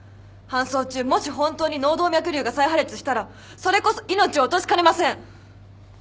搬送中もし本当に脳動脈瘤が再破裂したらそれこそ命を落としかねません。